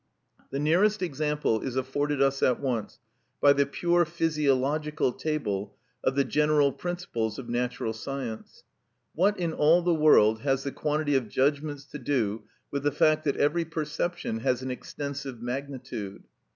The nearest example is afforded us at once by the pure physiological table of the general principles of natural science. What in all the world has the quantity of judgments to do with the fact that every perception has an extensive magnitude?